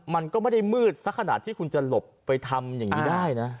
มันก็ไม่ได้มืดสักขนาดที่คุณจะหลบไปทำอย่างนี้ได้นะ